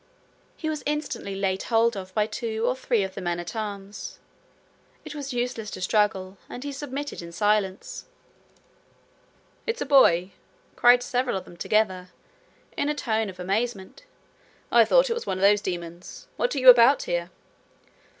He was instantly laid Hold of by two or three of the men at arms. It was useless to struggle, and he submitted in silence. 'It's a boy!' cried several of them together, in a tone of amazement. 'I thought it was one of those demons. What are you about here?'